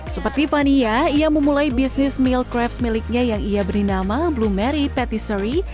seperti fania ia memulai bisnis milk crepes miliknya yang ia bernama blue mary patisserie